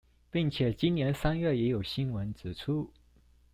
並且今年三月也有新聞指出